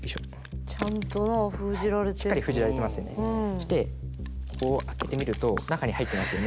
そしてこう開けてみると中に入ってますよね。